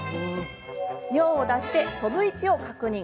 尿を出して、飛ぶ位置を確認。